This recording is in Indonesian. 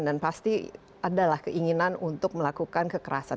dan pasti adalah keinginan untuk melakukan kekerasan